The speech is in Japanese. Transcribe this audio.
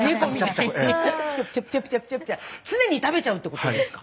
常に食べちゃうってことですか？